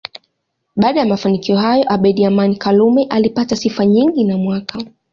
Baada ya mafanikio hayo Abeid Amani Karume alipata sifa nyingi na mwaka